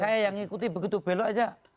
saya yang ngikuti begitu belok aja